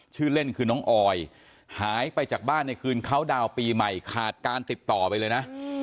ชื่อเล่นคือน้องออยหายไปจากบ้านในคืนเขาดาวน์ปีใหม่ขาดการติดต่อไปเลยนะ